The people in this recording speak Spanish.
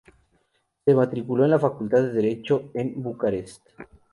Se matriculó en la Facultad de Derecho en Bucarest.